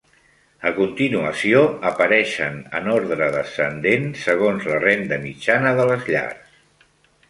A continuació, apareixen en ordre descendent segons la renda mitjana de les llars.